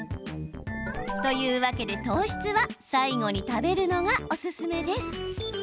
というわけで糖質は最後に食べるのがおすすめです。